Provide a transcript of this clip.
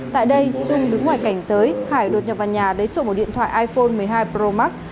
tại đây trung đứng ngoài cảnh giới hải đột nhập vào nhà lấy trộm một điện thoại iphone một mươi hai pro max